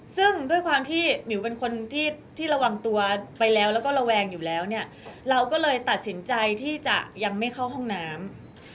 ซึ่งด้วยความที่หมิวเป็นคนที่ระวังตัวไปแล้วแล้วก็ระแวงอยู่แล้วเนี่ยเราก็เลยตัดสินใจที่จะยังไม่เข้าห้องน้ำ